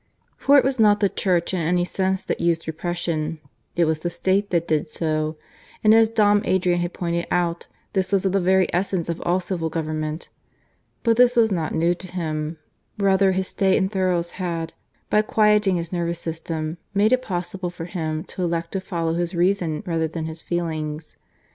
For it was not the Church in any sense that used repression; it was the State that did so; and as Dom Adrian had pointed out, this was of the very essence of all civil government. But this was not new to him. Rather his stay in Thurles had, by quieting his nervous system, made it possible for him to elect to follow his reason rather than his feelings.